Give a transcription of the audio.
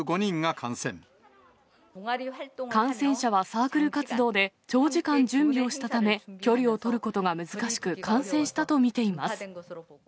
感染者はサークル活動で長時間準備をしたため、距離を取ることが難しく、感染したと見ています。